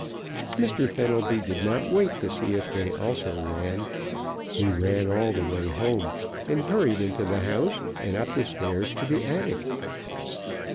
Mr. Fenelby did not wait to see if they also ran. He ran all the way home, and hurried into the house, and up the stairs to the attic.